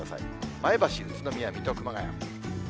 前橋、宇都宮、水戸、熊谷。